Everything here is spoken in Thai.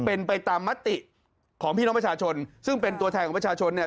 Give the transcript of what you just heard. เป็นไปตามมติของพี่น้องประชาชนซึ่งเป็นตัวแทนของประชาชนเนี่ย